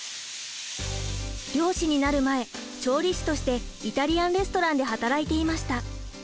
漁師になる前調理師としてイタリアン・レストランで働いていました。